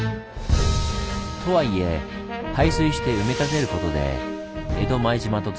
とはいえ排水して埋め立てることで江戸前島とつながり